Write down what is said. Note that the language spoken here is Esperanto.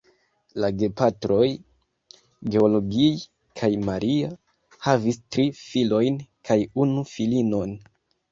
La gepatroj (Georgij kaj Maria) havis tri filojn kaj unu filinon.